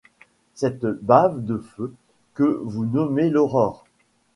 Cette bave de feu que vous nommez l’aurore